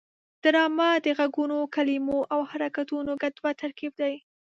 ډرامه د غږونو، کلمو او حرکتونو ګډوډ ترکیب دی